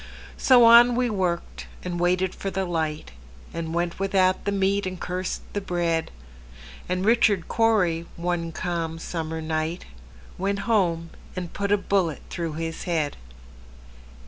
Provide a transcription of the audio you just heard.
So on we worked, and waited for the light, And went without the meat, and cursed the bread; And Richard Cory, one calm summer night, Went home and put a bullet through his head.